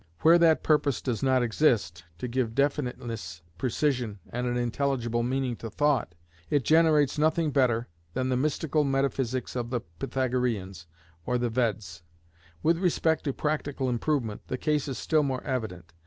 Where that purpose does not exist, to give definiteness, precision, and an intelligible meaning to thought, it generates nothing better than the mystical metaphysics of the Pythagoreans or the Veds. With respect to practical improvement, the case is still more evident.